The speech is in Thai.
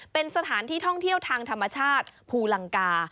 เป็นสถานที่ท่องเที่ยวทางธรรมชาติภูลังกา